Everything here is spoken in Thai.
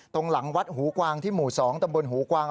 ตรงหลังวัดหูกวางที่หมู่๒ตำบลหูกวาง